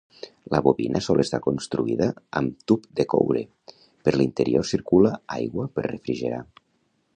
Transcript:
La bobina sol estar construïda amb tub de coure, per l'interior circula aigua per refrigerar.